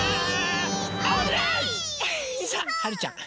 さあはるちゃん